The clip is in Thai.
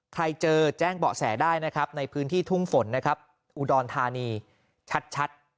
ใครเจอแจ้งเบาะแสได้นะครับในพื้นที่ทุ่งฝนนะครับอุดรธานีชัด